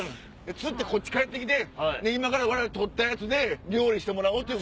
釣ってこっち帰って来て今から我々取ったやつで料理してもらおうという。